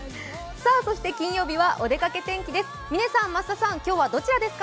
そして金曜日はお出かけ天気です。